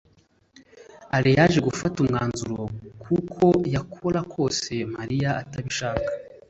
alain yaje gufata umwanzuro ko uko yakora kose, mariya atabishaka